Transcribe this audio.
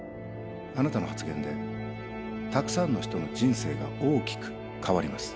あなたの発言でたくさんの人の人生が大きく変わります